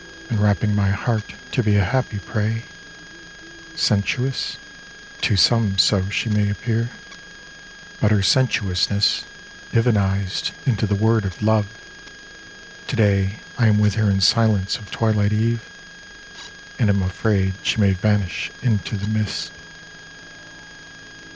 Enwrapping my heart to be a happy prey : S^ensuous ? To some so she may appear, But her sensuousness divinised into the word of love. To day I am with her in silence of twilight eve, And am afraid she may vanish into the mist.